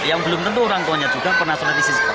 yang belum tentu orang tuanya juga pernah sholat isis